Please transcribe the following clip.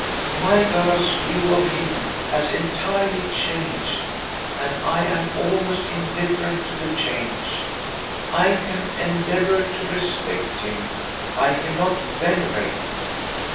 My girl's view of him has entirely changed; and I am almost indifferent to the change. I can endeavour to respect him, I cannot venerate."